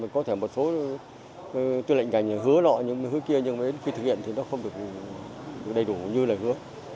có thể một số tư lệnh ngành hứa nọ như hứa kia nhưng khi thực hiện thì nó không được đầy đủ như là hứa